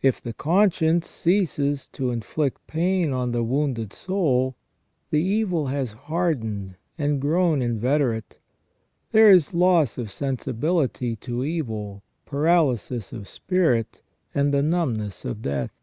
If the conscience ceases to inflict pain on the wounded soul, the evil has hardened and grown inveterate ; there is loss of sensibility to evil, paralysis of spirit, and the numbness of death.